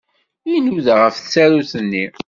Inuda ɣef tsarut-nni.